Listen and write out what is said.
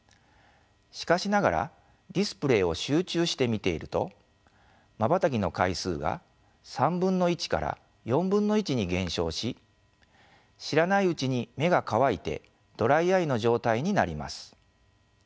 しかしながらディスプレイを集中して見ているとまばたきの回数が３分の１から４分の１に減少し知らないうちに目が乾いてドライアイの状態になります。